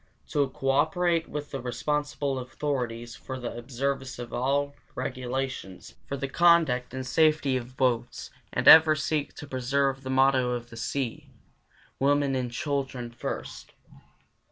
4. To cooperate with the responsible authorities for the observance of all regulations for the conduct and safety of boats and ever seek to preserve the motto of the sea, "Women and Children First."